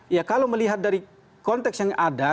ya kalau melihat dari konteks yang ada